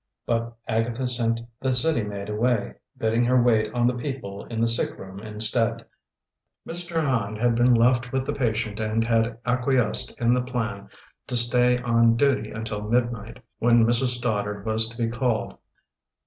But Agatha sent the city maid away, bidding her wait on the people in the sick room instead. Mr. Hand had been left with the patient and had acquiesced in the plan to stay on duty until midnight, when Mrs. Stoddard was to be called.